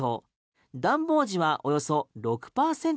暖房時はおよそ６％